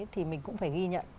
thì mình cũng phải ghi nhận